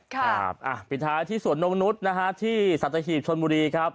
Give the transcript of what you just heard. ครับปิดท้ายที่สวนนมนุษย์ที่สัตว์จักรีบชนบุรีครับ